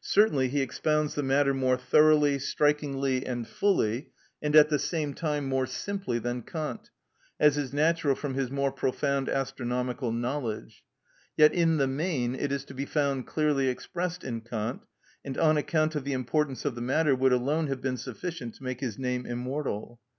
Certainly he expounds the matter more thoroughly, strikingly, and fully, and at the same time more simply than Kant, as is natural from his more profound astronomical knowledge; yet in the main it is to be found clearly expressed in Kant, and on account of the importance of the matter, would alone have been sufficient to make his name immortal.